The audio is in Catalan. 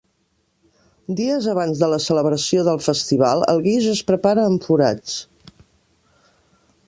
Dies abans de la celebració del festival, el guix es prepara en forats.